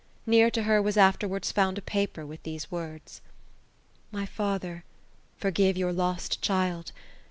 Near to her was af terwards found, a paper, with these words :—" My Father !— forgive your lost child.